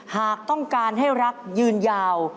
หากต้องการให้รักยืนยาว